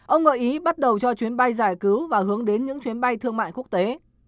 ông gợi ý bắt đầu cho chuyến bay giải cứu và hướng đến những chuyến bay thương mại quốc tế